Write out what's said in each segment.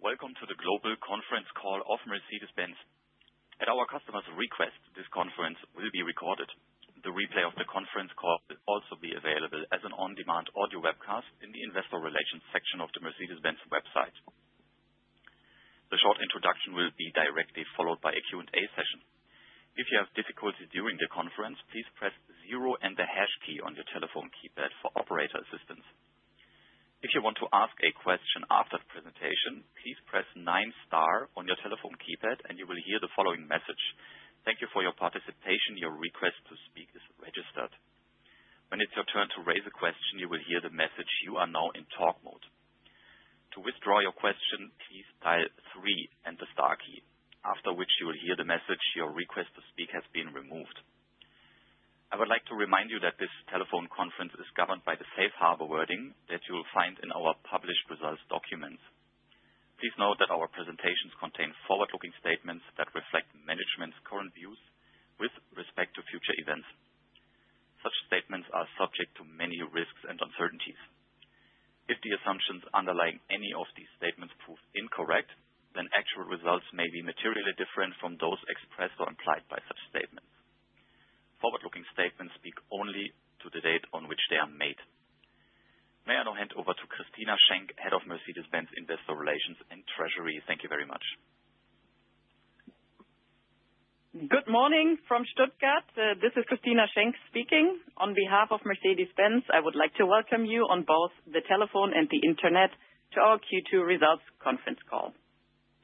Welcome to the global conference call of Mercedes-Benz. At our customers' request, this conference will be recorded. The replay of the conference call will also be available as an on demand audio webcast in the investor relations section of the Mercedes-Benz website. The short introduction will be directly followed by a Q&A session. If you have difficulty during the conference, please press zero and the hash key on your telephone keypad for operator assistance. If you want to ask a question after the presentation, please press nine star on your telephone keypad and you will hear the following. Thank you for your participation. Your request to speak is registered. When it's your turn to raise a question, you will hear the message. You are now in talk mode. To withdraw your question, please dial 3 and the star key after which you will hear the message. Your request to speak has been removed. I would like to remind you that this telephone conference is governed by the safe harbor wording that you will find in our published results documents. Please note that our presentations contain forward-looking statements that reflect management's current views with respect to future events. Such statements are subject to many risks and uncertainties. If the assumptions underlying any of these statements prove incorrect, then actual results may be materially different from those expressed or implied by such statements. Forward-looking statements speak only to the date on which they are made. May I now hand over to Christina Schenk, Head of Mercedes-Benz Investor Relations and Treasury. Thank you very much. Good morning from Stuttgart. This is Christina Schenk speaking on behalf of Mercedes-Benz. I would like to welcome you on both the telephone and the Internet to our Q2 results conference call.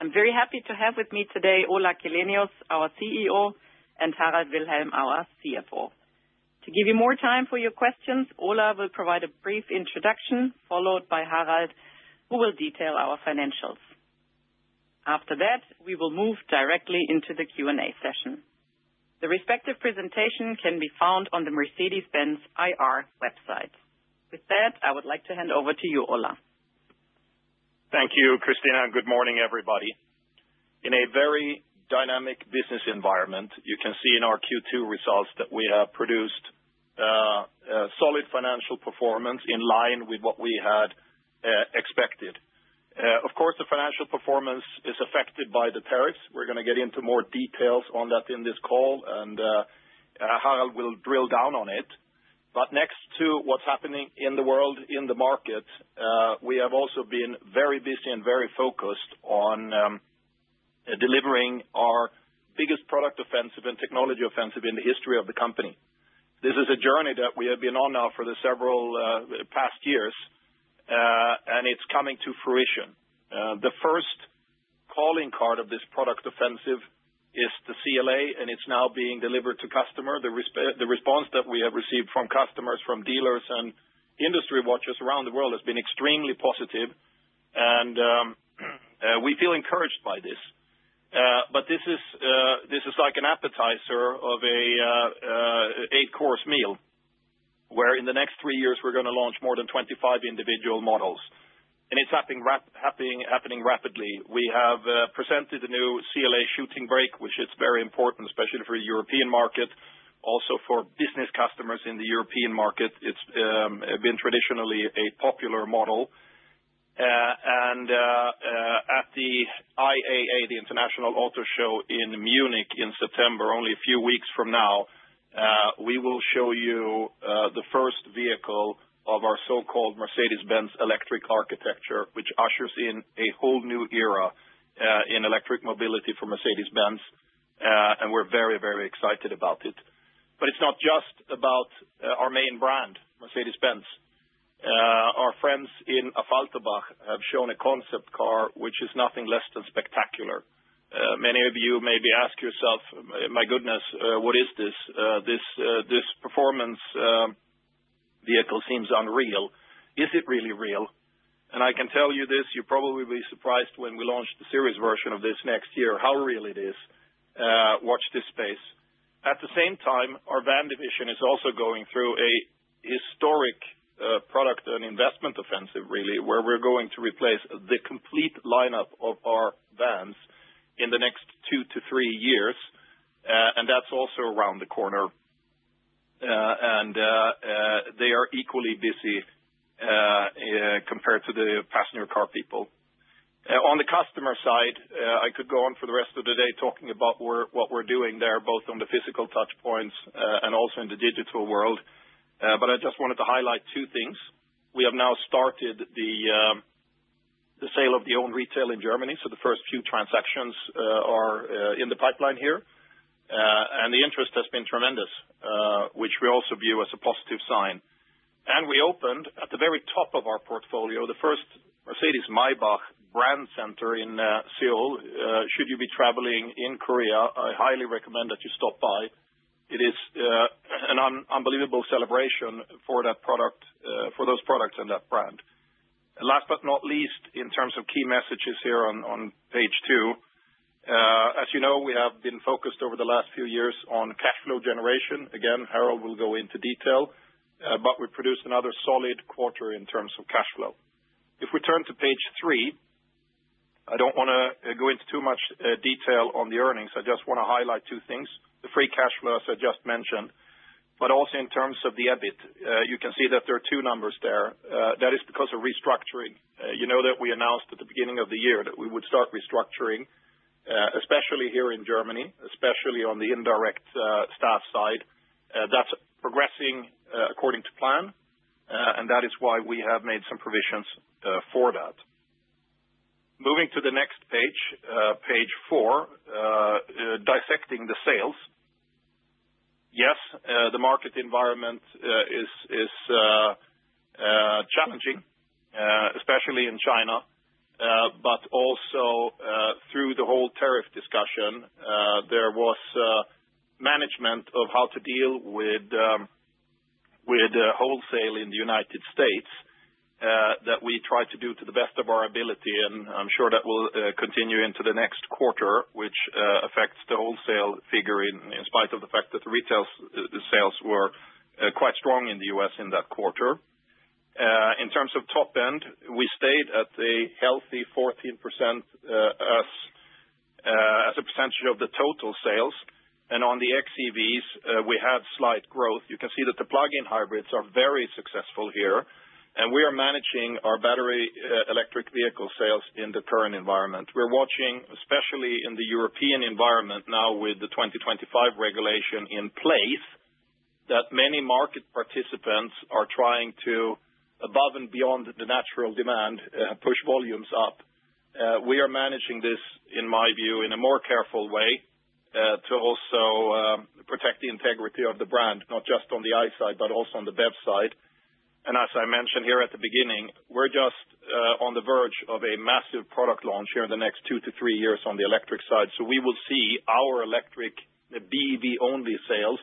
I'm very happy to have with me today Ola Källenius, our CEO, and Harald Wilhelm, our CFO. To give you more time for your questions, Ola will provide a brief introduction followed by Harald who will detail our financials. After that we will move directly into the Q&A session. The respective presentation can be found on the Mercedes-Benz IR website. With that I would like to hand over to you, Ola. Thank you, Christina, and good morning everybody. In a very dynamic business environment, you can see in our Q2 results that we have produced solid financial performance in line with what we had expected. Of course, the financial performance is affected by the tariffs. We are going to get into more details on that in this call, and Harald will drill down on it. Next to what is happening in the world, in the markets, we have also been very busy and very focused on delivering our biggest product offensive and technology offensive in the history of the company. This is a journey that we have been on now for the several past years, and it is coming to fruition. The first calling card of this product offensive is the CLA. It is now being delivered to customers. The response that we have received from customers, from dealers, and industry watchers around the world has been extremely positive, and we feel encouraged by this. This is like an appetizer of an eight-course meal where in the next three years we are going to launch more than 25 individual models, and it is happening rapidly. We have presented the new CLA Shooting Brake, which is very important especially for the European market. Also, for business customers in the European market, it has been traditionally a popular model. At the IAA, the International Auto Show in Munich in September, only a few weeks from now, we will show you the first vehicle of our so-called Mercedes-Benz Electric Architecture, which ushers in a whole new era in electric mobility for Mercedes-Benz. We are very, very excited about it. It is not just about our main brand Mercedes-Benz. Our friends in Affalterbach have shown a concept car which is nothing less than spectacular. Many of you maybe ask yourself, my goodness, what is this? This performance vehicle seems unreal. Is it really real? I can tell you this, you will probably be surprised when we launch the series version of this next year, how real it is. Watch this space. At the same time, our van division is also going through a historic product and investment offensive, really where we are going to replace the complete lineup of our vans in the next two to three years. That is also around the corner. They are equally busy compared to the passenger car people on the customer side. I could go on for the rest of the day talking about what we are doing there, both on the physical touch points and also in the digital world. I just wanted to highlight two things. We have now started the sale of the owned retail in Germany. The first few transactions are in the pipeline here and the interest has been tremendous, which we also view as a positive sign. We opened at the very top of our portfolio the first Mercedes-Maybach brand center in Seoul. Should you be traveling in Korea, I highly recommend that you stop by. It is an unbelievable celebration for that product, for those products and that brand. Last but not least, in terms of key messages here on page two, as you know, we have been focused over the last few years on cash flow generation. Again, Harald will go into detail, but we produced another solid quarter in terms of cash flow. If we turn to page three, I do not want to go into too much detail on the earnings, I just want to highlight two things. The free cash flow, as I just mentioned, but also in terms of the EBIT, you can see that there are two numbers there. That is because of restructuring. You know that we announced at the beginning of the year that we would start restructuring, especially here in Germany, especially on the indirect staff side. That is progressing according to plan and that is why we have made some provisions for that. Moving to the next page, page four. Dissecting the sales. Yes, the market environment is challenging, especially in China, but also through the whole tariff discussion there was management of how to deal with wholesale in the United States that we tried to do to the best of our ability and I am sure that will continue into the next quarter which affects the wholesale figure. In spite of the fact that the retail sales were quite strong in the U.S. in that quarter, in terms of top end we stayed at a healthy 14% as a percentage of the total sales. On the XEVs we had slight growth. You can see that the plug-in hybrids are very successful here and we are managing our battery electric vehicle sales in the current environment. We are watching especially in the European environment now with the 2025 regulation in place that many market participants are trying to, above and beyond the natural demand, push volumes up. We are managing this in my view in a more careful way to also protect the integrity of the brand, not just on the ICE side but also on the BEV side. As I mentioned here at the beginning, we are just on the verge of a massive product launch here in the next two to three years on the electric side. We will see our electric BEV-only sales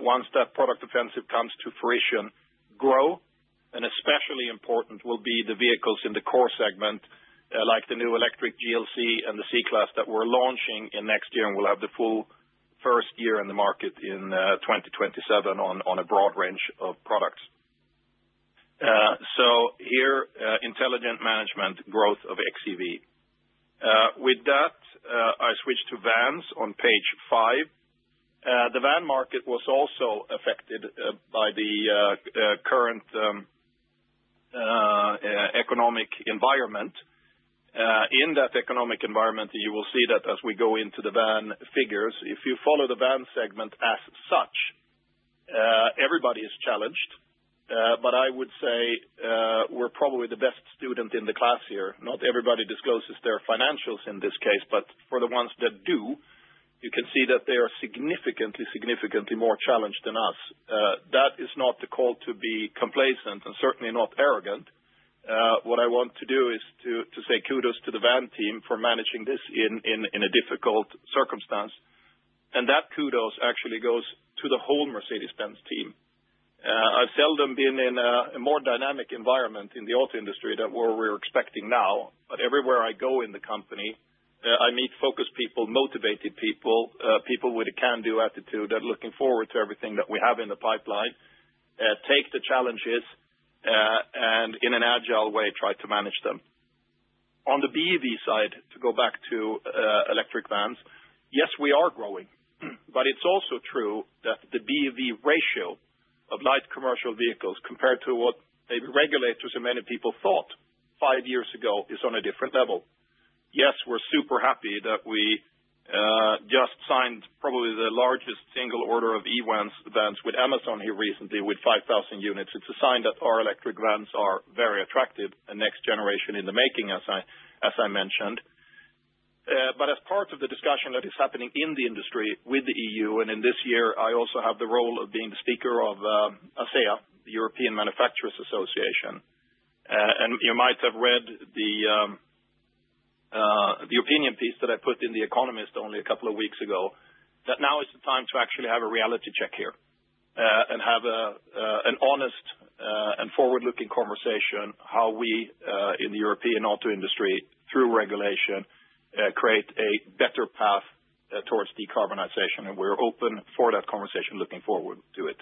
once that product offensive comes to fruition, growing, and especially important will be the vehicles in the core segment like the new electric GLC and the C-Class that we're launching next year and will have the full first year in the market in 2027 on a broad range of products. Here, intelligent management growth of XEV. With that, I switch to vans on page five. The van market was also affected by the current economic environment. In that economic environment, you will see that as we go into the van figures, if you follow the van segment as such, everybody is challenged, but I would say we're probably the best student in the class here. Not everybody discloses their financials in this case, but for the ones that do, you can see that they are significantly, significantly more challenged than us. That is not the call to be complacent and certainly not arrogant. What I want to do is to say kudos to the van team for managing this in a difficult circumstance, and that kudos actually goes to the whole Mercedes-Benz team. I've seldom been in a more dynamic environment in the auto industry than we're expecting now. Everywhere I go in the company, I meet focused people, motivated people, people with a can-do attitude that are looking forward to everything that we have in the pipeline, take the challenges, and in an agile way try to manage them. On the BEV side, to go back to electric vans, yes, we are growing, but it's also true that the BEV ratio of light commercial vehicles compared to what maybe regulators and many people thought five years ago is on a different level. Yes, we're super happy that we just signed probably the largest single order of e-vans with Amazon here recently with 5,000 units. It's a sign that our electric vans are very attractive and next generation in the making, as I mentioned. As part of the discussion that is happening in the industry with the EU, and in this year, I also have the role of being the speaker of ACEA, the European manufacturers association, and you might have read the opinion piece that I put in The Economist only a couple of weeks ago that now is the time to actually have a reality check here and have an honest and forward-looking conversation about how we in the European auto industry through regulation create a better path towards decarbonization. We're open for that conversation, looking forward to it.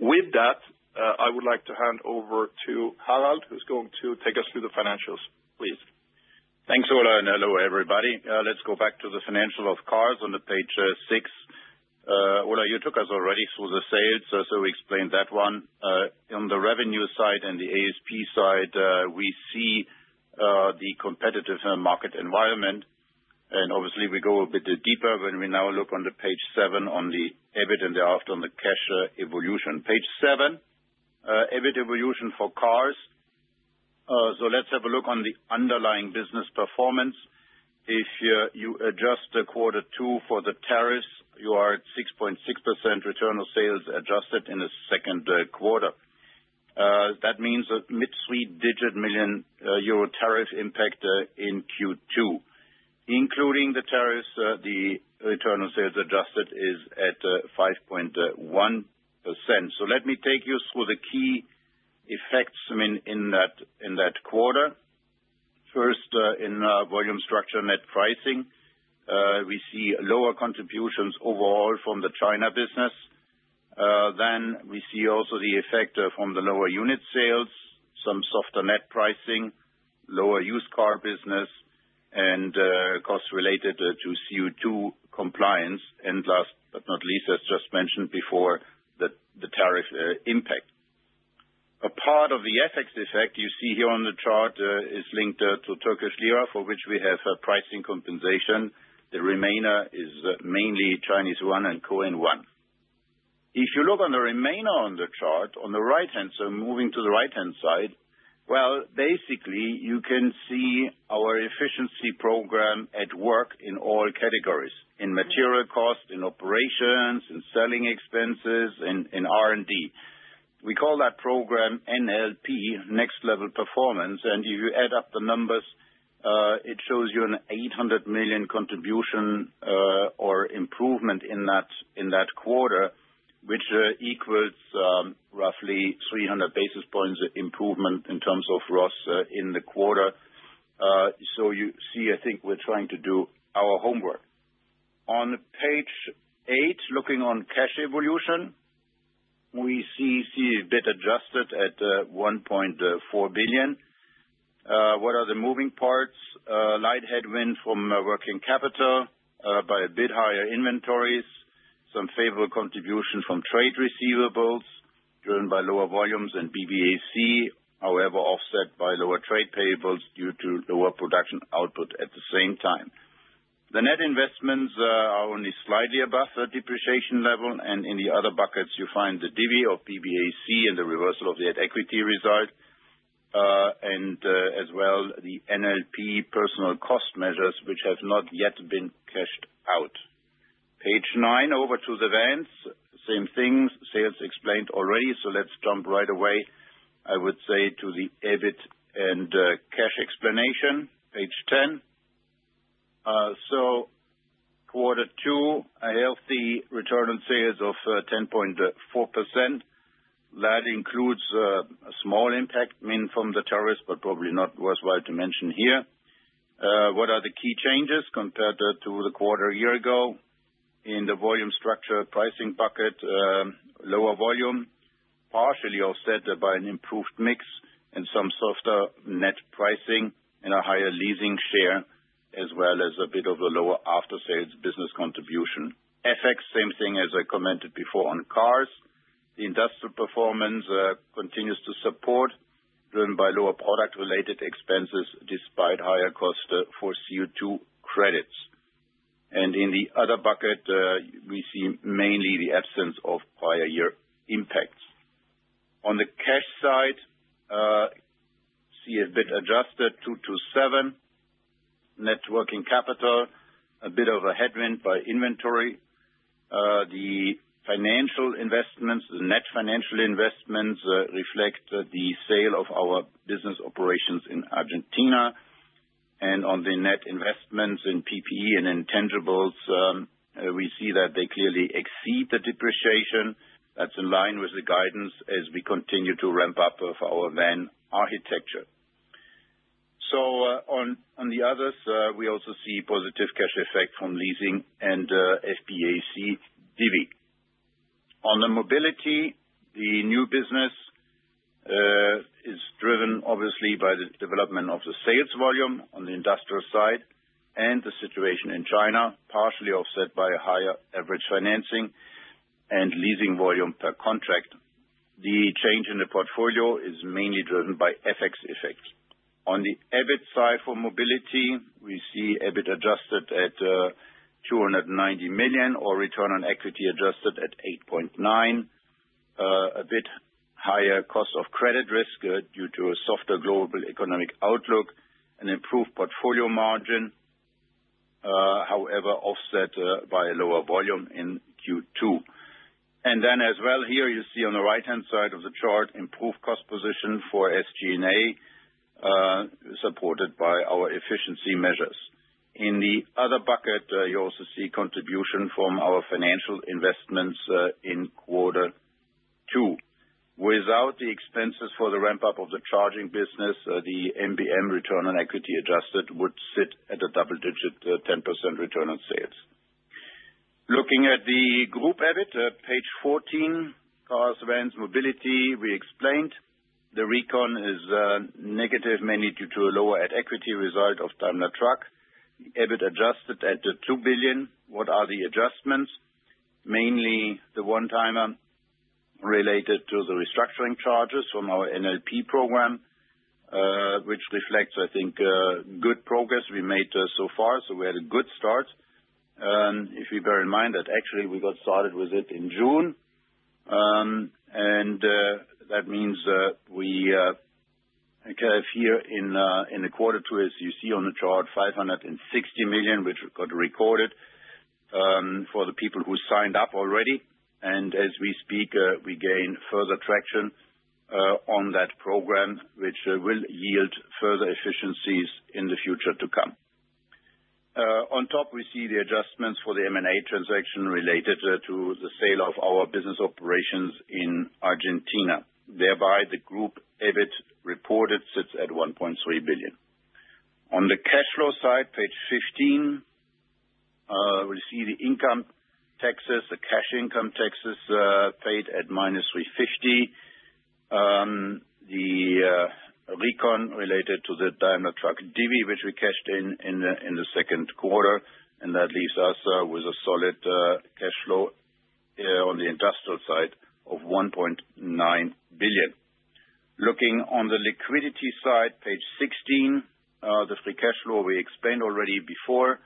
With that I would like to hand over to Harald who's going to take us through the financials please. Thanks Ola and hello everybody. Let's go back to the financial of cars on page six. Ola, you took us already through the sales, so we explained that. On the revenue side and the ASP side we see the competitive market environment and obviously we go a bit deeper when we now look on page seven on the EBIT and thereafter on the cash evolution. Page seven, EBIT evolution for cars. Let's have a look on the underlying business performance. If you adjust quarter two for the tariffs you are at 6.6% return on sales adjusted in the second quarter. That means a mid EUR 3 digit million tariff impact in Q2. Including the tariffs, the return on sales adjusted is at 5.1%. Let me take you through the key effects in that quarter. First in volume structure, net pricing, we see lower contributions overall from the China business. Then we see also the effect from the lower unit sales, some softer net pricing, lower used car business, and costs related to CO2 compliance. Last but not least, as just mentioned before, the tariff impact. A part of the FX effect you see here on the chart is linked to Turkish Lira for which we have pricing compensation. The remainder is mainly Chinese Yuan and Korean Won. If you look on the remainder on the chart on the right hand side, moving to the right hand side, you can see our efficiency program at work in all categories: in material cost, in operations and selling expenses, in R&D. We call that program NLP, Next Level Performance, and if you add up the numbers it shows you an 800 million contribution or improvement in that quarter, which equals roughly 300 basis points improvement in terms of ROS in the quarter. You see I think we're trying to do our homework. On page eight, looking on cash evolution, we see EBIT adjusted at 1.4 billion. What are the moving parts? Light headwind from working capital by a bit higher inventories, some favorable contribution from trade receivables driven by lower volumes and PBAC, however offset by lower trade payables due to lower production output. At the same time, the net investments are only slightly above the depreciation level and in the other buckets you find the divi of PBAC and the reversal of the equity result and as well the NLP personnel cost measures which have not yet been cashed out. Page nine, over to the vans, same thing, sales explained already. Let's jump right away I would say to the EBIT and cash explanation, page 10. Quarter two, a healthy return on sales of 10.4% that includes a small impact, I mean, from the tariffs but probably not worthwhile to mention here. What are the key changes compared to the quarter a year ago in the volume structure pricing bucket? Lower volume, partially offset by an improved mix and some softer net pricing and a higher leasing share, as well as a bit of a lower after sales business contribution. FX, same thing. As I commented before on cars, the industrial performance continues to support, driven by lower product related expenses despite higher cost for CO2 credits, and in the other bucket we see mainly the absence of prior year impacts. On the cash side, see EBIT adjusted 227, net working capital, a bit of a headwind by inventory. The financial investments, the net financial investments reflect the sale of our business operations in Argentina, and on the net investments in PPE and intangibles, we see that they clearly exceed the depreciation. That's in line with the guidance as we continue to ramp up our van architecture. On the others, we also see positive cash effect from leasing and FPAC DV on the mobility. The new business is driven obviously by the development of the sales volume on the industrial side and the situation in China, partially offset by higher average financing and leasing volume per contract. The change in the portfolio is mainly driven by FX effects. On the EBIT side for mobility, we see EBIT adjusted at 290 million or return on equity adjusted at 8.9%. A bit higher cost of credit risk due to a softer global economic outlook. An improved portfolio margin, however, offset by a lower volume in Q2, and then as well here you see on the right hand side of the chart improved cost position for SG&A supported by our efficiency measures. In the other bucket, you also see contribution from our financial investments in quarter two. Without the expenses for the ramp up of the charging business, the MBM return on equity adjusted would sit at a double digit 10% return on sales. Looking at the group EBIT, page 14, cars, vans, mobility, we explained the recon is negative mainly due to a lower AD equity result of Daimler Truck. EBIT adjusted at 2 billion. What are the adjustments? Mainly the one timer related to the restructuring charges from our NLP program, which reflects, I think, good progress we made so far. We had a good start. If you bear in mind that actually we got started with it in June and that means we fear in the quarter two as you see on the chart, 560 million which got recorded for the people who signed up already and as we speak we gain further traction on that program which will yield further efficiencies in the future to come. On top we see the adjustments for the M&A transaction related to the sale of our business operations in Argentina. Thereby the group EBIT reported sits at 1.3 billion. On the cash flow side, page 15, we see the income taxes, the cash income taxes paid at -350 million, the Recon related to the Daimler Truck divi which we cashed in in the second quarter and that leaves us with a solid cash flow on the industrial side of 1.9 billion. Looking on the liquidity side, page 16, the free cash flow we explained already before,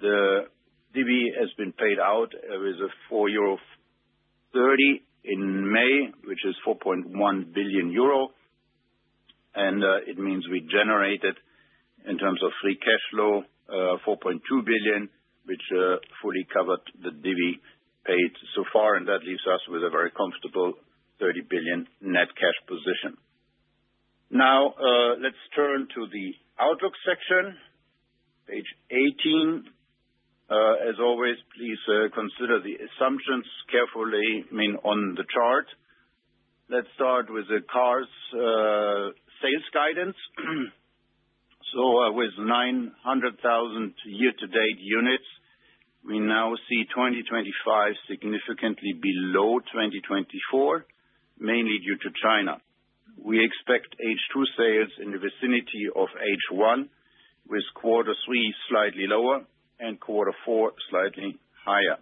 the divi has been paid out with a 4.30 euro in May which is 4.1 billion euro and it means we generated in terms of free cash flow 4.2 billion which fully covered the divi paid so far and that leaves us with a very comfortable 30 billion net cash position. Now let's turn to the outlook section, page 18. As always, please consider the assumptions carefully on the chart. Let's start with the cars sales guidance. With 900,000 year to date units, we now see 2025 significantly below 2024, mainly due to China. We expect H2 sales in the vicinity of H1 with quarter three slightly lower and quarter four slightly higher.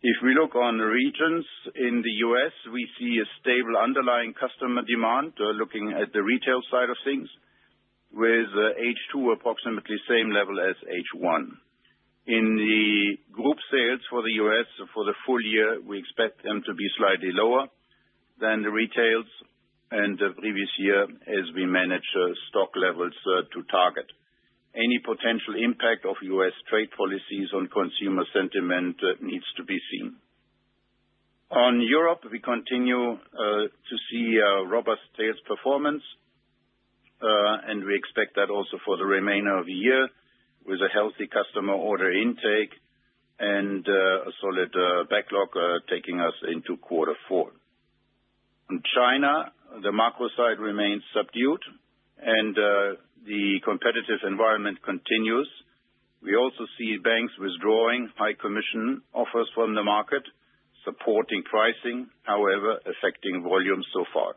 If we look on the regions, in the U.S. we see a stable underlying customer demand. Looking at the retail side of things, with H2 approximately same level as H1 in the group sales for the U.S. for the full year we expect them to be slightly lower than the retails and the previous year. As we manage stock levels to target, any potential impact of U.S. trade policies on consumer sentiment needs to be seen. In Europe we continue to see robust sales performance and we expect that also for the remainder of the year. With a healthy customer order intake and a solid backlog taking us into quarter four. In China, the macro side remains subdued and the competitive environment continues. We also see banks withdrawing high commission offers from the market, supporting pricing, however affecting volumes. So far,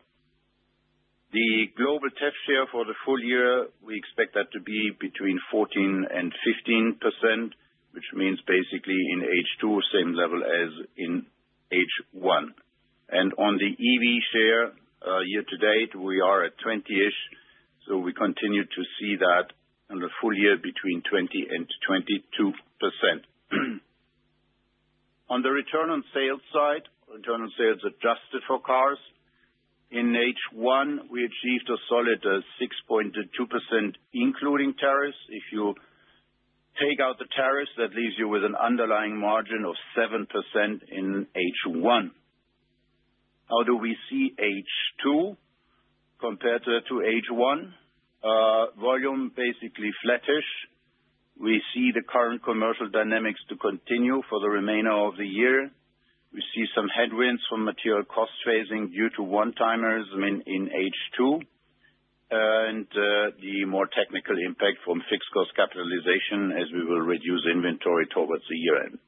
the global TEF share for the full year we expect that to be between 14%-15% which means basically in H2 same level as in H1 and on the EV share year to date we are at 20ish, so we continue to see that in the full year between 20%-22%. On the return on sales side, return on sales adjusted for cars in H1 we achieved a solid 6.2% including tariffs. If you take out the tariffs, that leaves you with an underlying margin of 7% in H1. How do we see H2 compared to H1 volume? Basically flattish. We see the current commercial dynamics to continue for the remainder of the year. We see some headwinds from material cost phasing due to one timers in H2 and the more technical impact from fixed cost capitalization as we will reduce inventory towards the year end.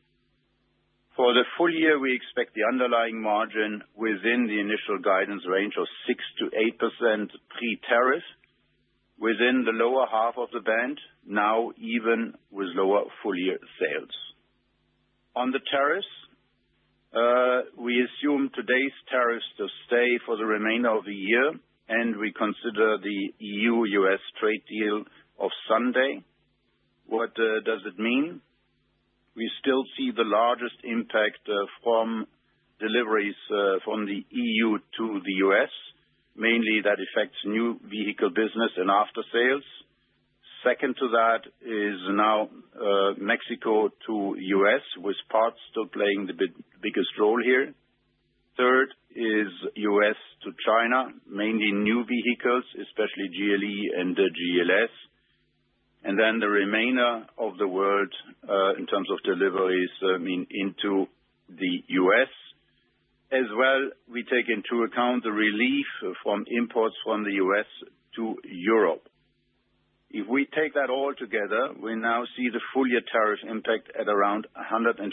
For the full year we expect the underlying margin within the initial guidance range of 6%-8% pre-tariff within the lower half of the band. Now, even with lower full year sales on the tariffs, we assume today's tariffs to stay for the remainder of the year. We consider the EU-U.S. trade deal of Sunday. What does it mean? We still see the largest impact from deliveries from the EU to the U.S. Mainly that affects new vehicle business and after sales. Second to that is now Mexico to U.S. with parts still playing the biggest role here. Third is U.S to China, mainly new vehicles, especially GLE and GLS, and then the remainder of the world in terms of deliveries into the U.S. as well. We take into account the relief from imports from the U.S. to Europe. If we take that all together, we now see the full year tariff impact at around 150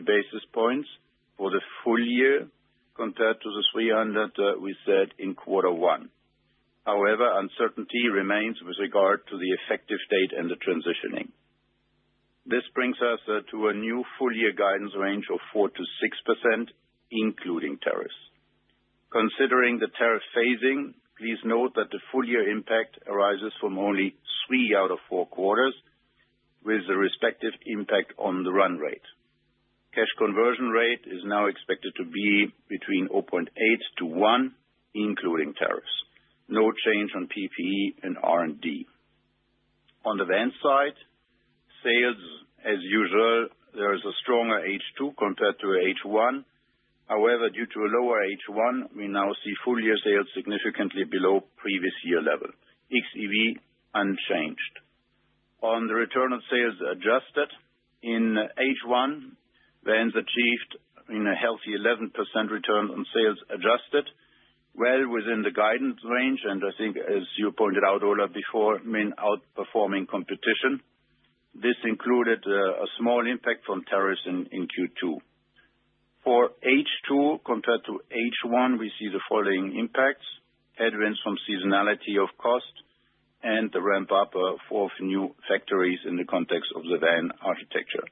basis points for the full year compared to the 300 we set in quarter one. However, uncertainty remains with regard to the effective date and the transitioning. This brings us to a new full year guidance range of 4%-6% including tariffs. Considering the tariff phasing, please note that the full year impact arises from only three out of four quarters with the respective impact on the run rate. Cash conversion rate is now expected to be between 0.8-1 including tariffs. No change on PPE and R&D. On the van side, sales as usual, there is a stronger H2 compared to H1. However, due to a lower H1, we now see full year sales significantly below previous year level. XEV unchanged. On the return on sales adjusted in H1, vans achieved a healthy 11% return on sales adjusted, well within the guidance range, and I think as you pointed out, Ola, before, mean outperforming competition. This included a small impact from tariffs in Q2. For H2 compared to H1, we see the following impacts: headwinds from seasonality of cost and the ramp up of new factories in the context of the VAN architecture.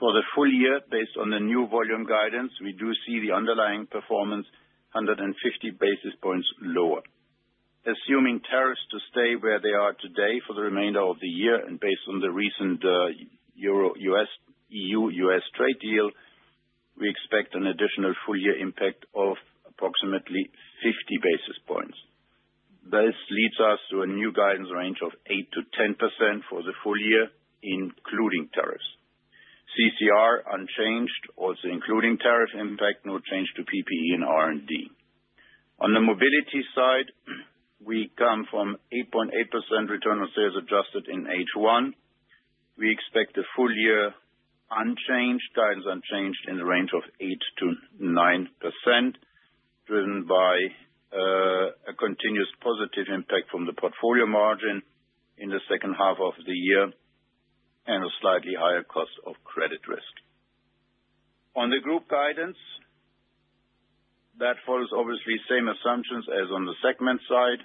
For the full year, based on the new volume guidance, we do see the underlying performance 150 basis points lower. Assuming tariffs to stay where they are today for the remainder of the year and based on the recent Euro, U.S., EU-U.S. trade deal, we expect an additional full year impact of approximately 50 basis points. This leads us to a new guidance range of 8%-10% for the full year including tariffs. CCR unchanged, also including tariff impact, no change to PPE and R&D. On the mobility side, we come from 8.8% return on sales adjusted in H1. We expect the full year unchanged guidance unchanged in the range of 8%-9% driven by a continuous positive impact from the portfolio margin in the second half of the year and a slightly higher cost of credit risk on the group guidance that follows obviously same assumptions as on the segment side.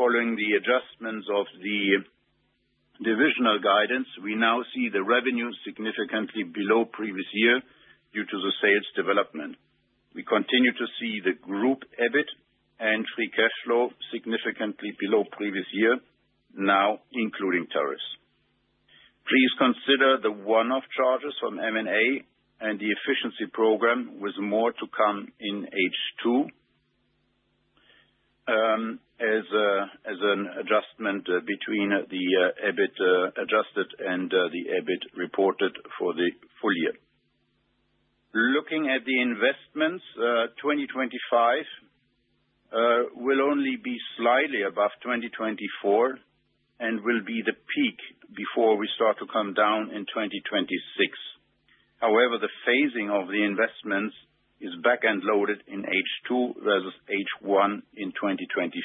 Following the adjustments of the divisional guidance we now see the revenue significantly below previous year due to the sales development. We continue to see the group EBITDA and free cash flow significantly below previous year now including tariffs. Please consider the one off charges from M&A and the efficiency program with more to come in H2 as an adjustment between the EBIT adjusted and the EBIT reported for the full year. Looking at the investments, 2025 will only be slightly above 2024 and will be the peak before we start to come down in 2026. However, the phasing of the investments is back end loaded in H2 versus H1 in 2025.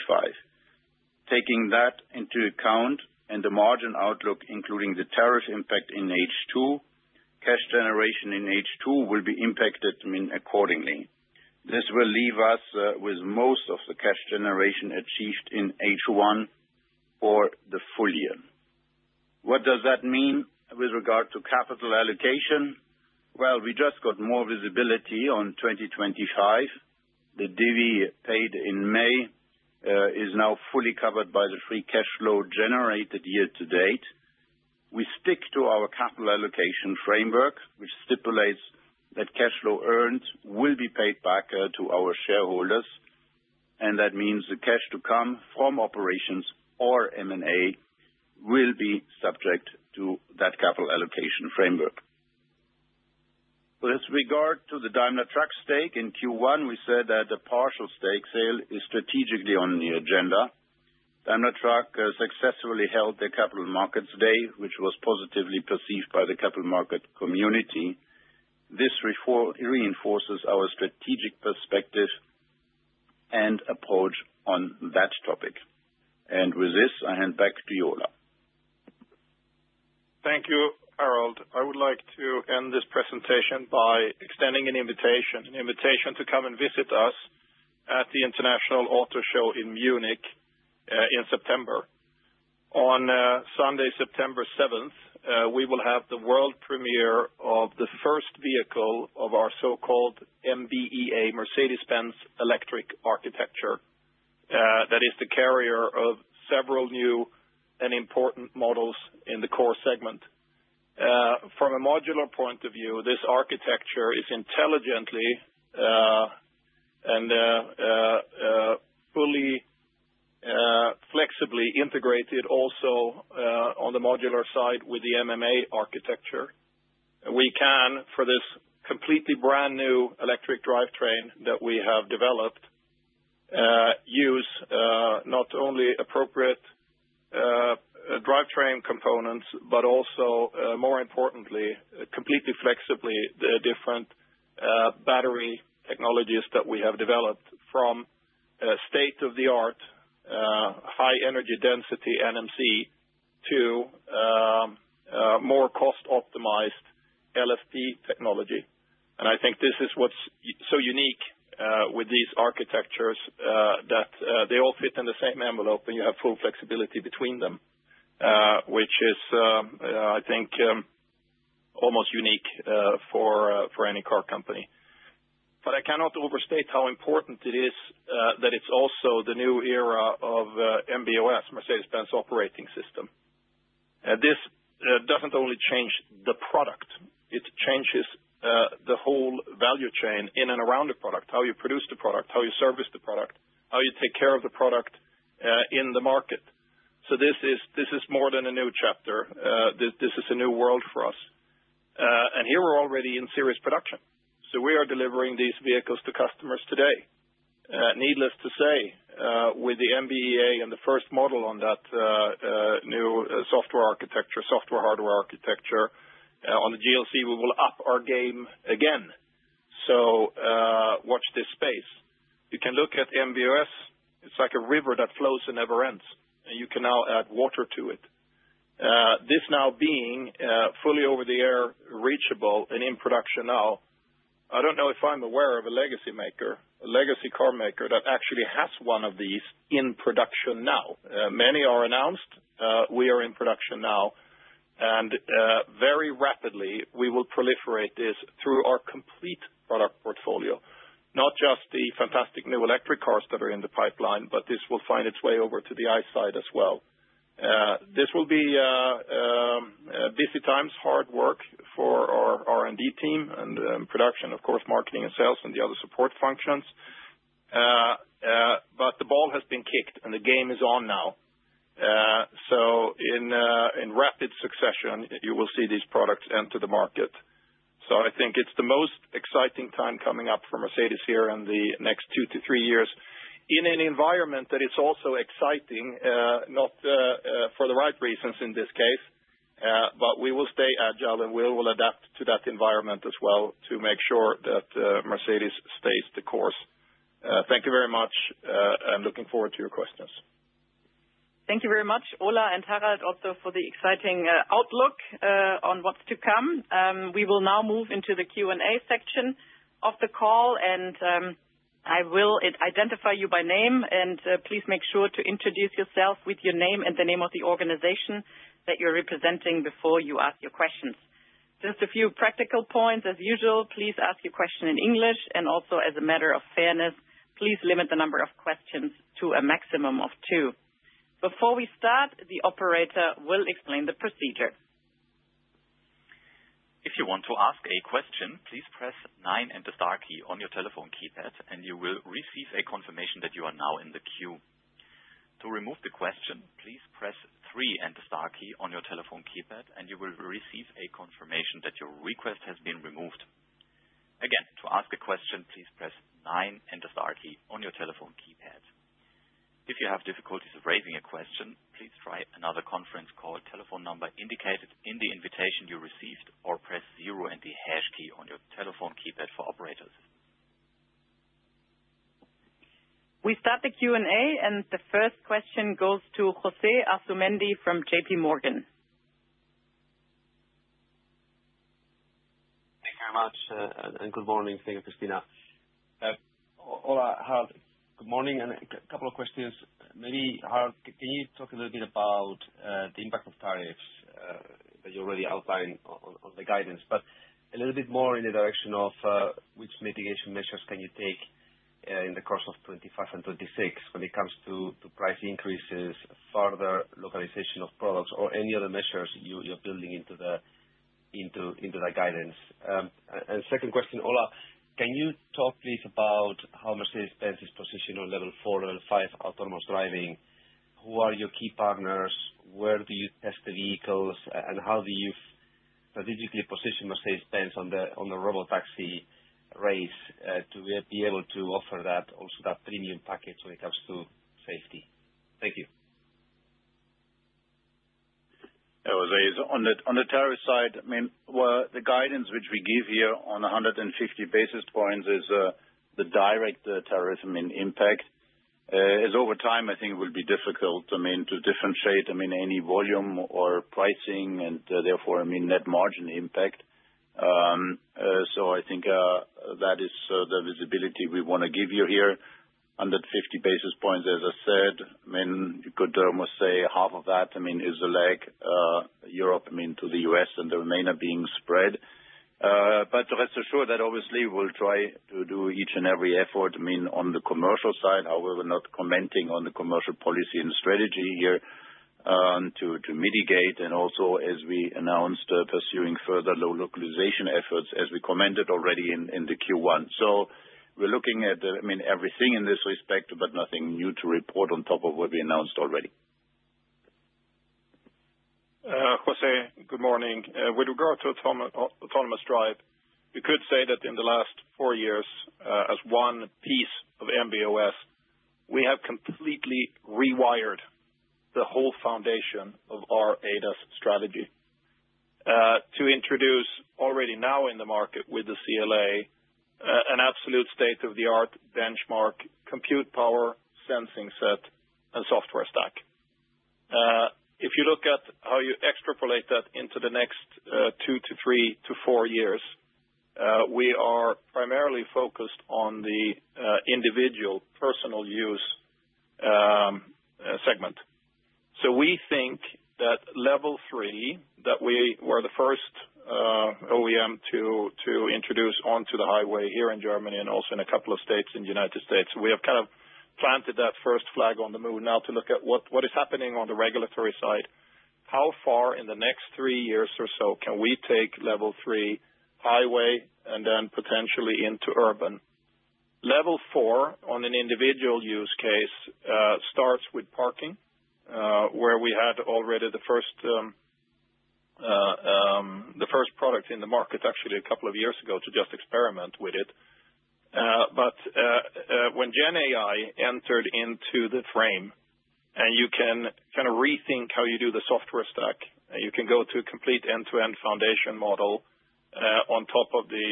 Taking that into account and the margin outlook including the tariff impact in H2, cash generation in H2 will be impacted accordingly. This will leave us with most of the cash generation achieved in H1 for the full year. What does that mean with regard to capital allocation? We just got more visibility on 2025. The Divi paid in May is now fully covered by the free cash flow generated year to date. We stick to our capital allocation framework which stipulates that cash flow earned will be paid back to our shareholders and that means the cash to come from operations or M&A will be subject to that capital allocation framework. With regard to the Daimler Truck stake in Q1, we said that a partial stake sale is strategically on the agenda. Daimler Truck successfully held their capital markets day which was positively perceived by the capital market community. This reinforces our strategic perspective and approach on that topic. With this I hand back to Ola. Thank you, Harald. I would like to end this presentation by extending an invitation to come and visit us at the International Auto Show in Munich in September. On Sunday, September 7th, we will have the world premiere of the first vehicle of our so-called MB.EA, Mercedes-Benz Electric Architecture, that is the carrier of several new and important models in the core segment. From a modular point of view, this architecture is intelligently and fully flexibly integrated. Also, on the modular side with the MMA architecture, we can, for this completely brand new electric drivetrain that we have developed, use not only appropriate drivetrain components but also, more importantly, completely flexibly the different battery technologies that we have developed, from state-of-the-art high energy density NMC to more cost-optimized LFP technology. I think this is what's so unique with these architectures, that they all fit in the same envelope and you have full flexibility between them, which is, I think, almost unique for any car company. I cannot overstate how important it is that it's also the new era of MB.OS, Mercedes-Benz Operating System. This doesn't only change the product, it changes the whole value chain in and around the product—how you produce the product, how you service the product, how you take care of the product in the market. This is more than a new chapter, this is a new world for us. Here, we're already in series production, so we are delivering these vehicles to customers today. Needless to say, with the MB.EA and the first model on that new software architecture, software hardware architecture on the GLC, we will up our game again. Watch this space. You can look at MB.OS, it's like a river that flows and never ends and you can now add water to it. This now being fully over-the-air, reachable and in production now. I don't know if I'm aware of a legacy maker, a legacy carmaker that actually has one of these in production now. Many are announced. We are in production now and very rapidly we will proliferate this through our complete product portfolio. Not just the fantastic new electric cars that are in the pipeline, but this will find its way over to the I side as well. This will be busy times, hard work for our R&D team and production, of course, marketing and sales and the other support functions. The ball has been kicked and the game is on now. In rapid succession you will see these products enter the market. I think it's the most exciting time coming up for Mercedes here in the next two to three years in an environment that is also exciting, not for the right reasons in this case, but we will stay agile and we will adapt to that environment as well to make sure that Mercedes stays the course. Thank you very much and looking forward to your questions. Thank you very much, Ola and Harald, for the exciting outlook on what's to come. We will now move into the Q and A section of the call and I will identify you by name. Please make sure to introduce yourself with your name and the name of the organization that you're representing before you ask your questions. Just a few practical points. As usual, please ask your question in English. Also, as a matter of fairness, please limit the number of questions to a maximum of two. Before we start, the operator will explain the procedure. If you want to ask a question, please press nine and the star key on your telephone keypad and you will receive a confirmation that you are now in the queue. To remove the question, please press three and the star key on your telephone keypad and you will receive a confirmation that your request has been removed. Again, to ask a question, please press nine and the star key on your telephone keypad. If you have difficulties raising a question, please try another conference call telephone number indicated in the invitation you received or press zero and the hash key on your telephone keypad. For operators. We start the Q&A and the first question goes to José Asumendi from JPMorgan. Thank you very much and good morning Schenck Christina. Harald, good morning. A couple of questions maybe. Harald, can you talk a little bit about the impact of tariffs that you already outlined on the guidance, but a little bit more in the direction of which mitigation measures can you take in the course of 2025 and 2026 when it comes to price increases, further localization of products or any other measures you're building into the guidance? Second question, Ola, can you talk please about how Mercedes-Benz is positioned on level four, level five autonomous driving? Who are your key partners? Where do you test the vehicles and how do you strategically position Mercedes-Benz on the Robotaxi race to be able to offer that on also that premium package when it comes to safety? Thank you. On the tariff side, I mean the guidance which we give here on 150 basis points is the direct tariff impact as over time I think it will be difficult to differentiate any volume or pricing and therefore net margin impact. I think that is the visibility we want to give you here. 150 basis points, as I said, you could almost say half of that, I mean is the lag Europe, I mean to the U.S. and the remainder being spread. Rest assured that obviously we'll try to do each and every effort. I mean on the commercial side, however, not commenting on the commercial policy and strategy here to mitigate and also as we announced, pursuing further localization efforts as we commented already in the Q1. We're looking at, I mean everything in this respect, but nothing new to report on top of what we announced already. José, good morning. With regard to autonomous drive, you could say that in the last four years as one piece of MB.OS, we have completely rewired the whole foundation of our ADAS strategy to introduce already now in the market with the CLA, an absolute state of the art benchmark compute, power sensing set and software stack. If you look at how you extrapolate that into the next two to three to four years, we are primarily focused on the individual personal use segment. We think that level three that we were the first OEM to introduce onto the highway here in Germany and also in a couple of states in the United States, we have kind of planted that first flag on the moon. Now to look at what is happening on the regulatory side. How far in the next three years or so can we take level three highway and then potentially into urban level four on an individual use case starts with parking, where we had already the first product in the market actually a couple of years ago to just experiment with it. When GenAI entered into the frame and you can kind of rethink how you do the software stack, you can go to a complete end-to-end foundation model on top of the,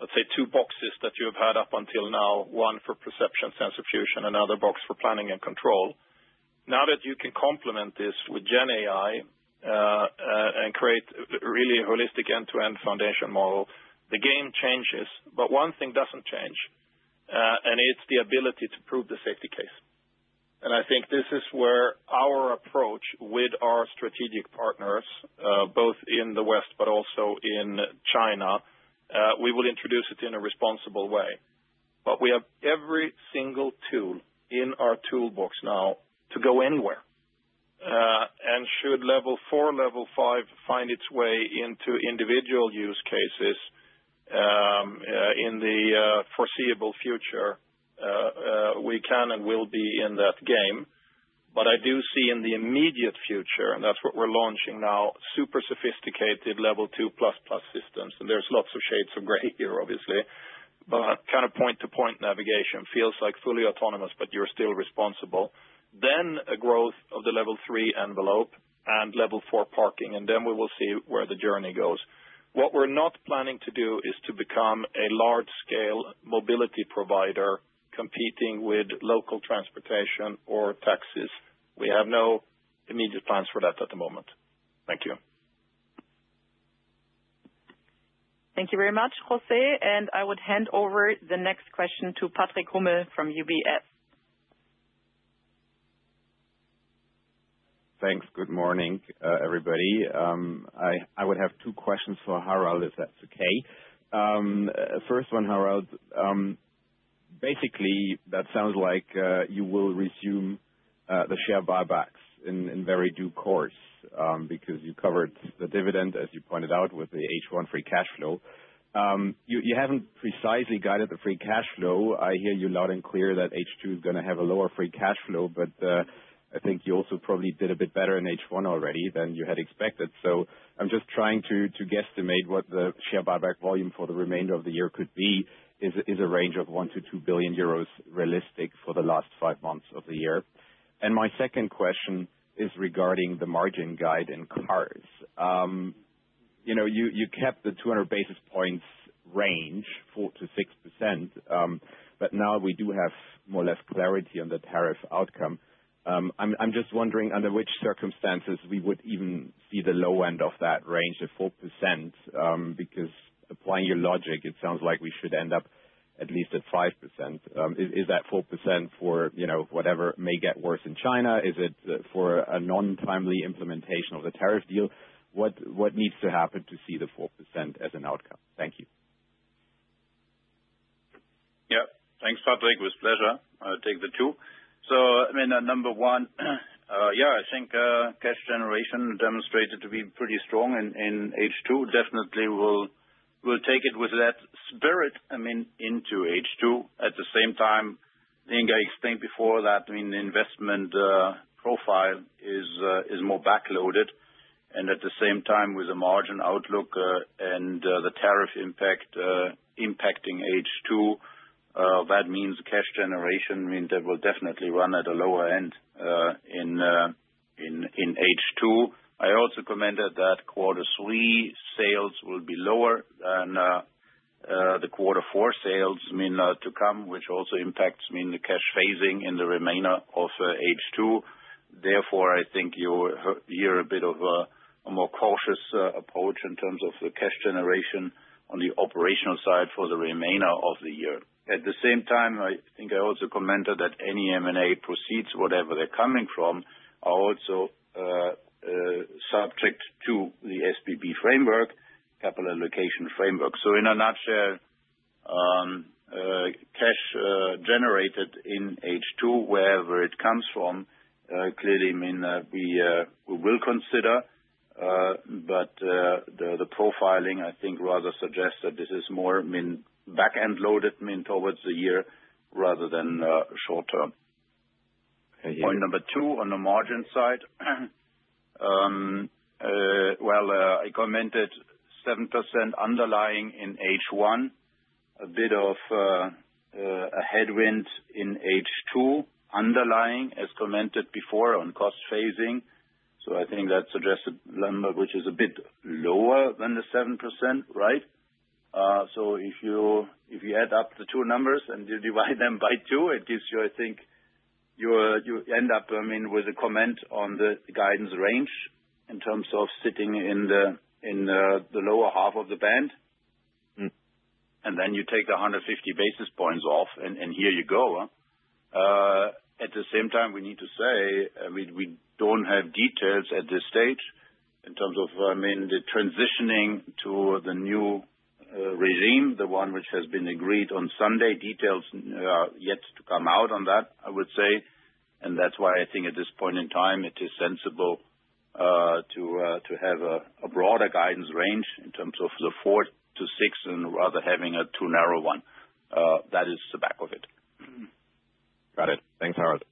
let's say, two boxes that you have had up until now. One for perception, sensor fusion, another box for planning and control. Now that you can complement this with GenAI and create a really holistic end-to-end foundation model, the game changes, but one thing does not change and it is the ability to prove the safety case. I think this is where our approach with our strategic partners, both in the West but also in China, we will introduce it in a responsible way. We have every single tool in our toolbox now to go anywhere. Should level four, level five find its way into individual use cases in the foreseeable future, we can and will be in that game. I do see in the immediate future, and that is what we are launching now, super sophisticated level 2 systems and there are lots of shades of gray here obviously, but kind of point-to-point navigation feels like fully autonomous, but you are still responsible. Then a growth of the level three envelope and level four parking and then we will see where the journey goes. What we are not planning to do is to become a large-scale mobility provider competing with local transportation or taxis. We have no immediate plans for that at the moment. Thank you. Thank you very much. José and I would hand over the next question to Patrick Hummel from UBS. Thanks. Good morning everybody. I would have two questions for Harald if that's okay. First one, Harald, basically that sounds like you will resume the share buybacks in very due course because you covered the dividend, as you pointed out, with the H1 free cash flow. You haven't precisely guided the free cash flow. I hear you loud and clear. H2 is going to have a lower free cash flow. I think you also probably did a bit better in H1 already than you had expected. I am just trying to guesstimate what the share buyback volume for the remainder of the year could be is a range of 1 billion-2 billion euros realistic for the last five months of the year? My second question is regarding the margin guide in cars. You know, you kept the 200 basis points range 4%6%, but now we do have more or less clarity on the tariff outcome. I'm just wondering under which circumstances we would even see the low end of that range of 4% because applying your logic, it sounds like we should end up at least at 5%. Is that 4% for whatever may get worse in China, is it for a non-timely implementation of the tariff deal? What needs to happen to see the 4% as an outcome? Thank you. Yeah, thanks Patrick. With pleasure. Take the two. I mean, number one, yeah, I think cash generation demonstrated to be pretty strong in H2, definitely will. We'll take it with that spirit, I mean, into H2 at the same time, I think I explained before that investment profile is more backloaded and at the same time with the margin outlook and the tariff impact impacting H2 that means cash generation means that will definitely run at a lower end in H2. I also commented that quarter three sales will be lower than the quarter four sales mean to come, which also impacts the cash phasing in the remainder of H2. Therefore, I think you hear a bit of a more cautious approach in terms of the cash generation on the operational side for the remainder of the year. At the same time I think I also commented that any M&A proceeds, whatever they're coming from, are also subject to the SBB framework, capital allocation framework. In a nutshell, cash generated in H2, wherever it comes from, clearly we will consider. The profiling I think rather suggests that this is more back end loaded mean towards the year rather than short term. Point number two on the margin side. I commented 7% underlying in H1, a bit of a headwind in H2 underlying as commented before on cost phasing. I think that suggests a number which is a bit lower than the 7%. Right. If you add up the two numbers and you divide them by two, it gives you, I think you end up, I mean with a comment on the guidance range in terms of sitting in the lower half of the band and then you take the 150 basis points off and here you go. At the same time we need to say we do not have details at this stage in terms of, I mean the transitioning to the new regime, the one which has been agreed on Sunday. Details yet to come out on that I would say. That is why I think at this point in time it is sensible to have a broader guidance range in terms of the four to six and rather having a too narrow one that is the back of it. Got it. Thanks, Harald.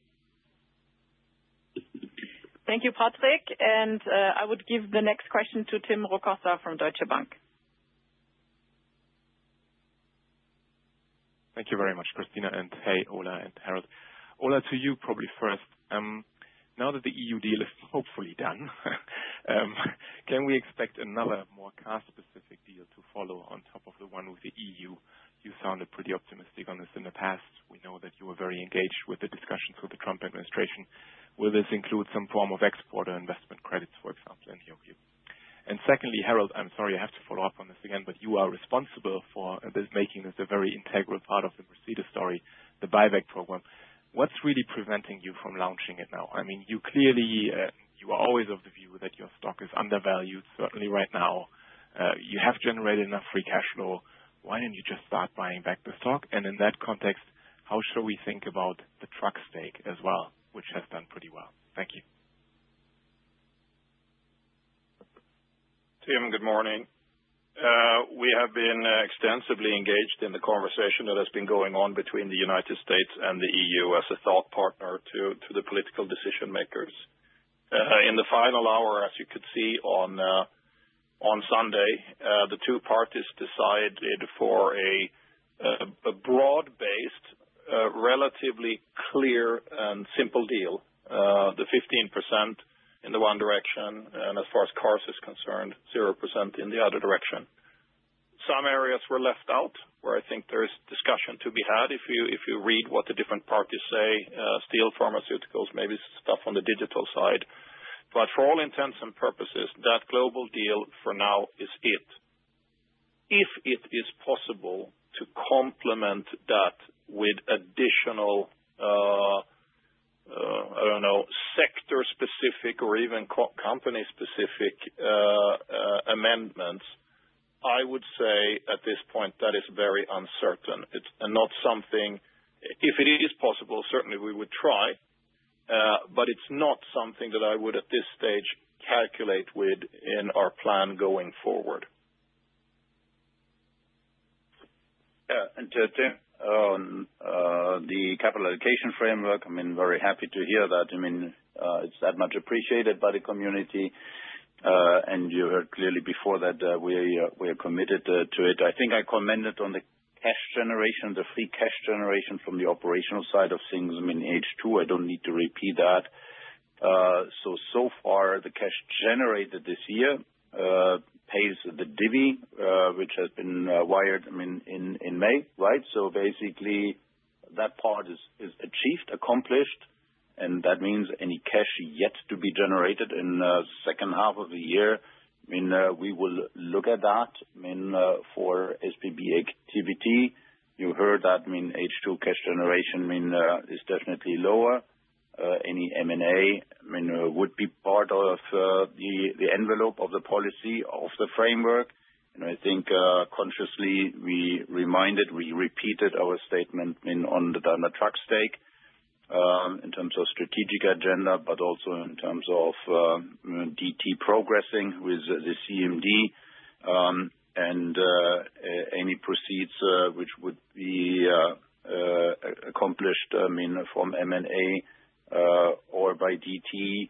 Thank you, Patrick. I would give the next question to Tim Rokossa from Deutsche Bank. Thank you very much, Christina. Hey Ola and Harald. Ola, to you. Probably first, now that the EU deal is hopefully done, can we expect another more caste-specific deal to follow on top of the one with the EU? You sounded pretty optimistic on this in the past, so we know that you were very engaged. With the discussions with the Trump administration. Will this include some form of export or investment credits, for example, in your view? Secondly, Harald, I'm sorry I have to follow up on this again you are responsible for making this a very integral part of the Mercedes story, the buyback program. What's really preventing you from launching it now? I mean, you clearly, you are always of the view that your stock is undervalued certainly right now you have generated enough free cash flow. Why don't you just start buying back the stock? In that context, how should we think about the truck stake as well? Which has done pretty well. Thank you. Good morning. We have been extensively engaged in the conversation that has been going on between the United States and the EU as a thought partner to the political decision makers. In the final hour, as you could see on Sunday, the two parties decided for a broad-based, relatively clear and simple deal. The 15% in the one direction and as far as cars is concerned, 0% in the other direction. Some areas were left out where I think there is discussion to be had. If you read what the different parties say, steel, pharmaceuticals, maybe stuff on the digital side. For all intents and purposes, that global deal for now is it, if it is possible to complement that with additional, I do not know, sector-specific or even company-specific amendments, I would say at this point that is very uncertain. It is not something, if it is possible, certainly we would try, but it is not something that I would at this stage calculate with in our plan going forward. Tim, the capital allocation framework, I mean, very happy to hear that. I mean it's that much appreciated by the community. You heard clearly before that we are committed to it. I think I commented on the cash generation, the free cash generation from the operational side of things in H2. I don't need to repeat that. So far the cash generated this year pays the divi which has been wired in May, right? Basically that part is achieved, accomplished and that means any cash yet to be generated in second half of the year. We will look at that for SPB activity. You heard that H2 cash generation is definitely lower. Any M&A would be part of the envelope of the policy of the framework. I think consciously we reminded, we repeated our statement on the Daimler Truck stake in terms of strategic agenda but also in terms of DT progressing with the CMD and any proceeds which we would accomplish from M and A or by DT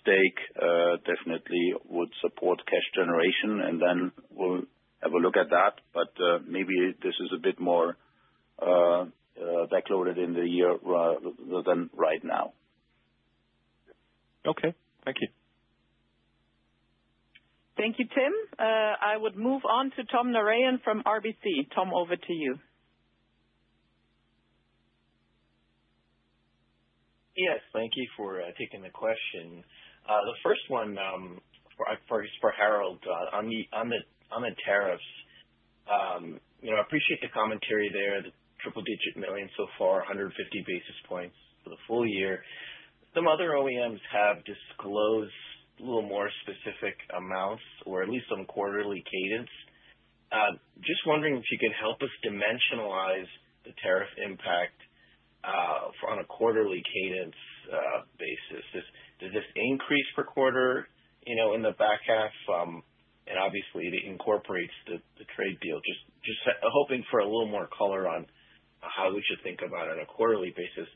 stake definitely would support cash generation and then we'll have a look at that. Maybe this is a bit more backloaded in the year than right now. Okay, thank you. Thank you, Tim. I would move on to Tom Narayan from RBC. Tom, over to you. Yes, thank you for taking the question. The first one for Harald on the tariffs. I appreciate the commentary there. The triple digit million so far, 150 basis points for the full year. Some other OEMs have disclosed a little more specific amounts or at least some quarterly cadence. Just wondering if you can help us dimensionalize the tariff impact on a quarterly cadence basis. Does this increase per quarter in the back half? It obviously incorporates the trade deal. Just hoping for a little more color on how we should think about it on a quarterly basis.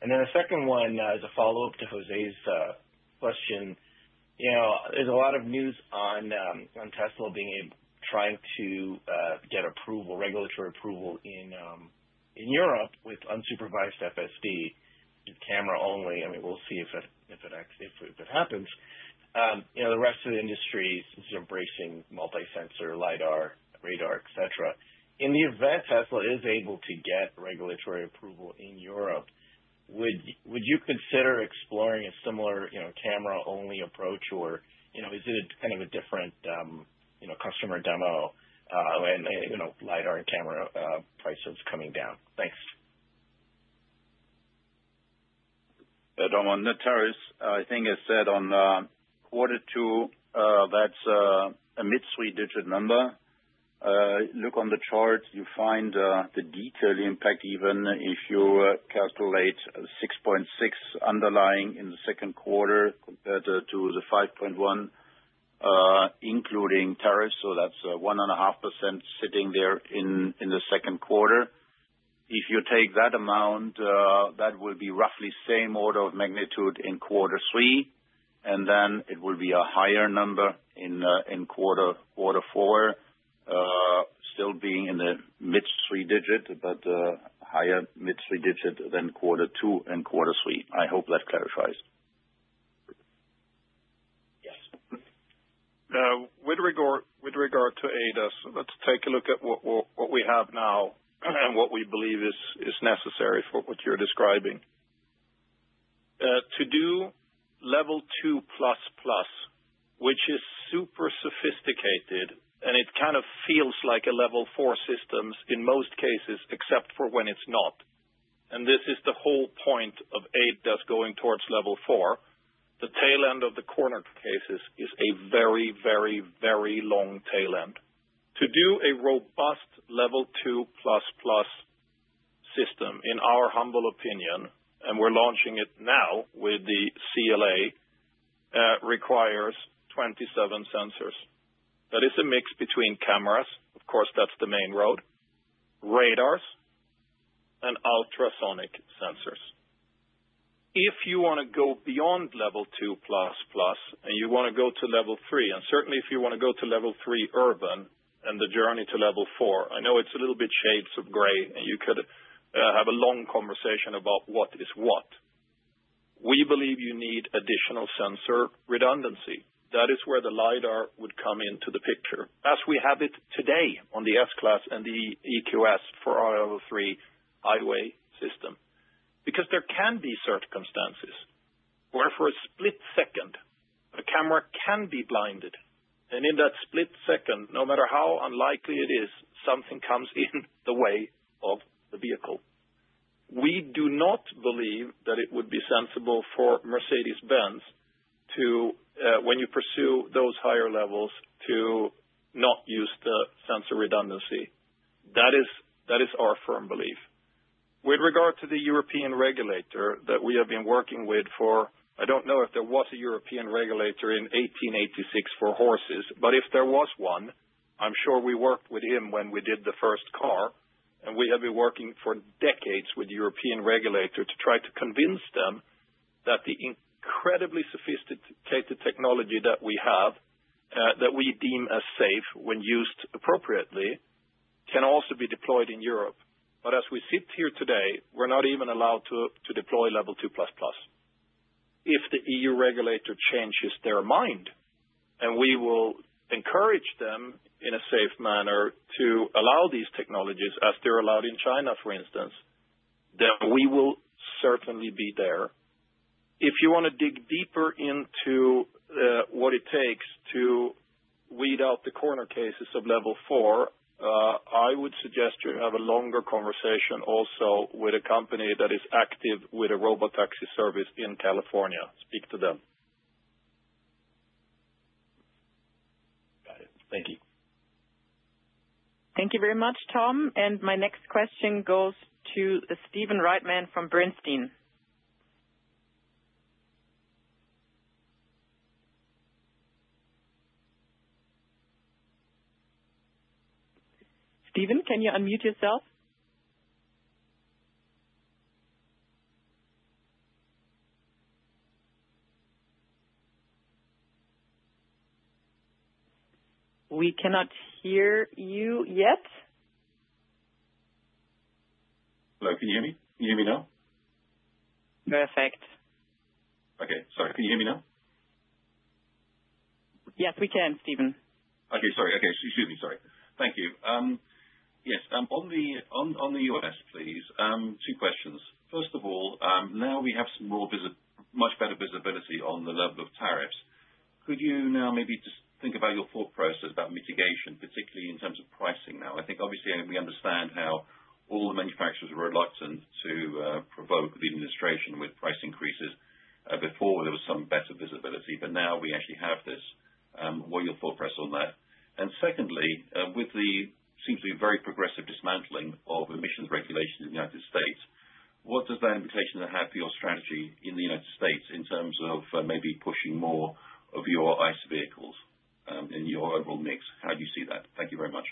The second one is a follow up to José's question. You know there's a lot of news on Tesla being trying to get approval, regulatory approval in Europe with unsupervised FSD camera only. I mean we'll see if it happens. You know the rest of the industry is embracing multi sensor, lidar, radar, et cetera. In the event Tesla is able to get regulatory approval in Europe, would you consider exploring a similar camera only approach or is it kind of a different customer demo and lidar camera prices coming down? Thanks. Hey, Tom on the terrace. I think I said on quarter two that's a mid three digit number. Look on the chart, you find the detailed impact even if you calculate 6.6% underlying in the second quarter compared to the 5.1 including tariffs. So that's 1.5% sitting there in the second quarter. If you take that amount that will be roughly same order of magnitude in quarter three and then it will be a higher number in quarter four still being in the mid three digit, but higher mid three digit than quarter two and quarter three.I hope that clarifies. Yes. With regard to ADAS, let's take a look at what we have now and what we believe is necessary for what you're describing. To do level 2, which is super sophisticated and it kind of feels like a Level 4 system in most cases, except for when it's not. This is the whole point of ADAS going towards Level 4, the tail end of the corner cases is a very, very, very long tail end. To do a robust Level 2 system in our humble opinion, and we're launching it now with the CLA, requires 27 sensors. That is a mix between cameras of course, that's the main road, radars, and ultrasonic sensors. If you want to go beyond Level 2 and you want to go to Level 3. And certainly if you want to go to Level 3, urban and the journey to Level 4, I know it's a little bit shades of gray and you could have a long conversation about what is what. We believe you need additional sensor redundancy. That is where the LIDAR would come into the picture as we have it today on the S-Class and the EQS for RL3 highway system. Because there can be circumstances where for a split second a camera can be blinded. In that split second, no matter how unlikely it is, something comes in the way of the vehicle. We do not believe that it would be sensible for Mercedes-Benz to, when you pursue those higher levels, to not use the sensor redundancy. That is our firm belief. With regard to the European regulator that we have been working with for. I don't know if there was a European regulator in 1886 for horses, but if there was one, I'm sure we worked with him when we did the first car. We have been working for decades with the European regulator to try to convince them that the incredibly sophisticated technology that we have that we deem as safe when used appropriately can also be deployed in Europe. As we sit here today, we're not even allowed to deploy Level 2. If the EU regulator changes their mind, and we will encourage them in a safe manner to allow these technologies as they're allowed in China, for instance, then we will certainly be there. If you want to dig deeper into what it takes to weed out the corner cases of Level 4, I would suggest you have a longer conversation also with a company that is active with a robotaxi service in California. Speak to them. Thank you. Thank you very much, Tom. My next question goes to Stephen Reitman from Bernstein. Stephen, can you unmute yourself? We cannot hear you yet. Hello? Can you hear me now? Perfect. Okay, sorry. Can you hear me now? Yes, we can, Stephen. Okay, sorry. Okay. Excuse me. Sorry. Thank you. Yes, on the U.S. please, two questions. First of all, now we have some more visibility, much better visibility on the level of tariffs. Could you now maybe just think about your thought process about mitigation, particularly in terms of pricing. Now I think obviously we understand how all the manufacturers were reluctant to provoke the administration with price increases. Before there was some better visibility, but now we actually have this. What are your thought press on that? Secondly, with the seems to be very progressive dismantling of emissions regulations in the U.S., what does that implication have for your strategy in the U.S. space in terms of maybe pushing more of your ICE vehicles in your overall mix. How do you see that? Thank you very much.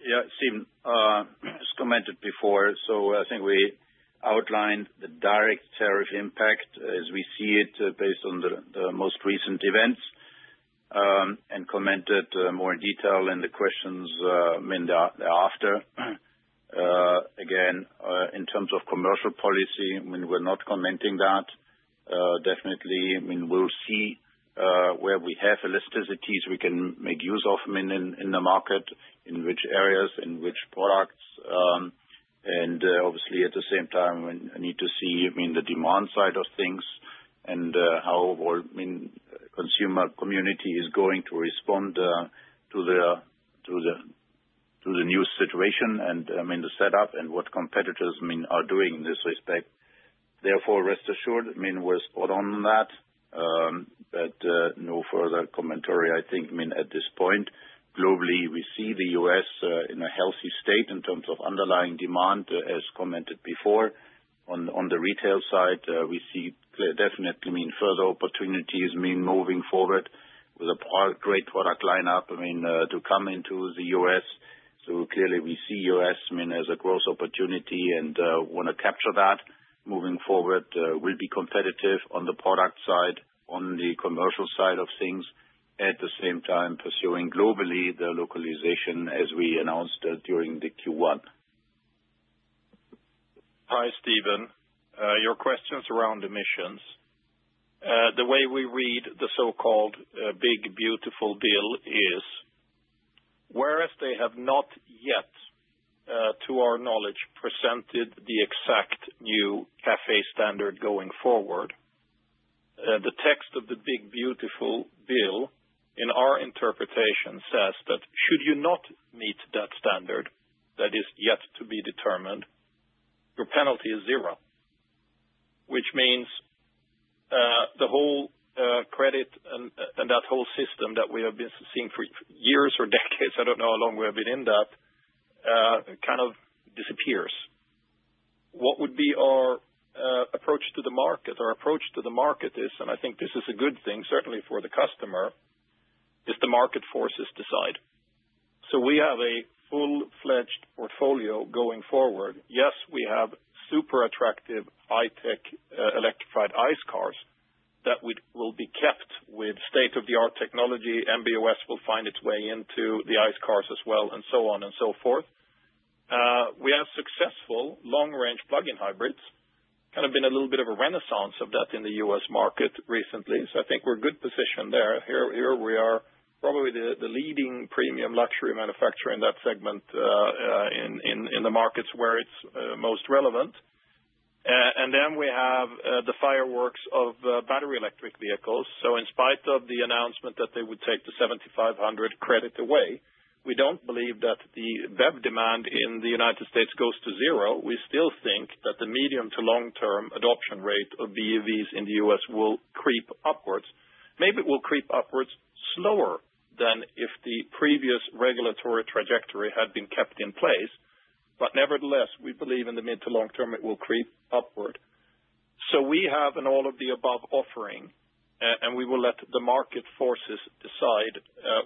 Yeah, Stephen, as commented before, I think we outlined the direct tariff impact as we see it based on the most recent events and commented more in detail in the questions thereafter. Again, in terms of commercial policy, we're not commenting that definitely. We'll see where we have elasticities we can make use of in the market, in which areas, in which products, and obviously at the same time we need to see the demand side of things and how the consumer community is going to respond to the new situation and the setup and what competitors are doing in this respect. Therefore, rest assured Minh was put on that but no further commentary. I think Minh, at this point globally we see the U.S. in a healthy state in terms of underlying demand as commented before. On the retail side, we see definitely further opportunities, moving forward with a great product lineup to come into the U.S. Clearly, we see the U.S. as a growth opportunity and want to capture that moving forward. We will be competitive on the product side, on the commercial side of things, at the same time pursuing globally the localization as we announced during the Q1. Hi, Steven, your questions around emissions. The way we read the so-called Big Beautiful Bill is whereas they have not yet to our knowledge presented the exact new CAFE standard going forward, the text of the Big Beautiful Bill in our interpretation says that should you not meet that standard, that is yet to be determined, your penalty is zero. Which means the whole credit and that whole system that we have been seeing for years or decades, I do not know how long we have been in that, kind of disappears. What would be our approach to the market? Our approach to the market is, and I think this is a good thing certainly for the customer, the market forces decide. We have a full-fledged portfolio going forward. Yes, we have super attractive high-tech electrified ICE cars that will be kept with state-of-the-art technology. MB.OS will find its way into the ICE cars as well and so on and so forth. We have successful long-range plug-in hybrids, kind of been a little bit of a renaissance of that in the U.S. market recently. I think we are good positioned there. Here we are probably the leading premium luxury manufacturer in that segment in the markets where it is most relevant. Then we have the fireworks of battery electric vehicles. In spite of the announcement that they would take the $7,500 credit away, we do not believe that the BEV demand in the United States goes to zero. We still think that the medium to long-term adoption rate of BEVs in the U.S. will creep upwards. Maybe it will creep upwards slower than if the previous regulatory trajectory had been kept in place, but nevertheless we believe in the mid to long term it will creep upward. We have an all-of-the-above offering and we will let the market forces decide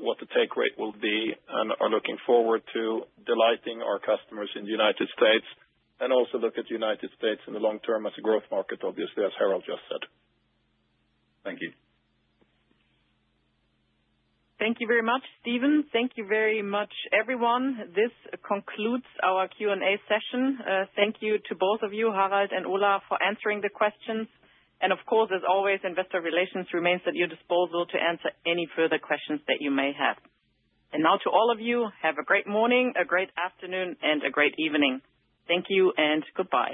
what the take rate will be and are looking forward to delighting our customers in the United States and also look at the United States in the long term as a growth market obviously as Harald just said. Thank you. Thank you very much, Stephen. Thank you very much, everyone. This concludes our Q&A session. Thank you to both of you, Harald and Ola, for answering the questions, and of course, as always, Investor Relations remains at your disposal to answer any further questions that you may have. Now to all of you, have a great morning, a great afternoon, and a great evening. Thank you and goodbye.